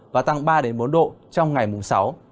và tăng ba bốn độ trong ngày mùng sáu